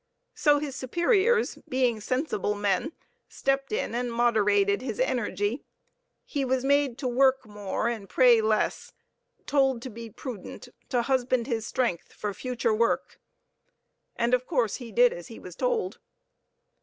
So his superiors, being sensible men, stepped in and moderated his energy. He was made to work more and pray less, told to be prudent, to husband his strength for future work. And, of course, he did as he was told.